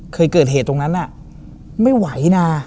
เคยเกิดเหตุตรงนั้นน่ะไม่ไหวนะ